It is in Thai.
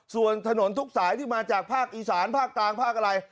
ส่วนถนนทุกสายที่มาจากภาคอีสานภาคกลางภาคอะไร